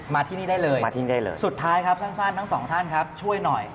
ที่นี่ได้เลยมาที่นี่ได้เลยสุดท้ายครับสั้นทั้งสองท่านครับช่วยหน่อย